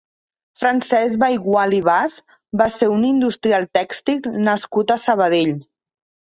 Francesc Baygual i Bas va ser un industrial tèxtil nascut a Sabadell.